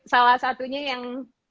salah satunya yang